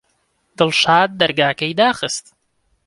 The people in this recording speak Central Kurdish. دڵشاد دەرگاکەی داخست.